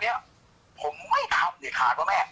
แม่ยังคงมั่นใจและก็มีความหวังในการทำงานของเจ้าหน้าที่ตำรวจค่ะ